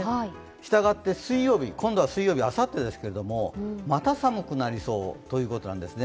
したがって、今度は水曜日、あさってにまた寒くなりそうということなんですね。